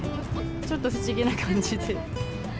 ちょっと不思議な感じで。